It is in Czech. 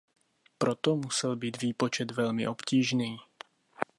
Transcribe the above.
Proto musel být výpočet velmi obtížný.